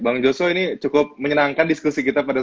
bang joshua ini cukup menyenangkan diskusi kita pada